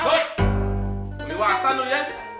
kelewatan lu ya